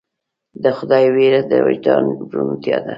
د خدای ویره د وجدان روڼتیا ده.